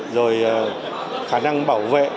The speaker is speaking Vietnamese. rồi khả năng bảo vệ